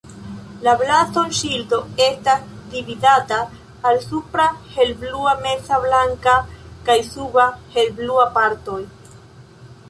La blazonŝildo estas dividata al supra helblua, meza blanka kaj suba helblua partoj.